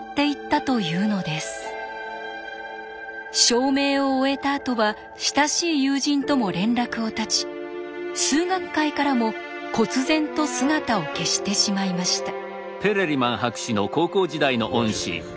証明を終えたあとは親しい友人とも連絡を断ち数学界からもこつ然と姿を消してしまいました。